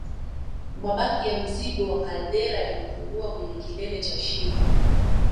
Mabaki ya mzingo wa kaldera yamepungua kwenye kilele cha shira